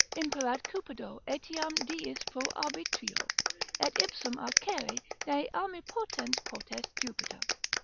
Imperat Cupido etiam diis pro arbitrio, Et ipsum arcere ne armipotens potest Jupiter.